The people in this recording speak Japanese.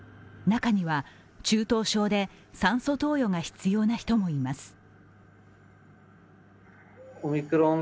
中には中等症で酸素投与が必要な人もいます。